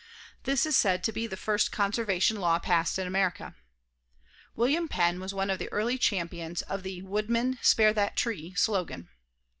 This is said to be the first conservation law passed in America. William Penn was one of the early champions of the "Woodman, spare that tree" slogan.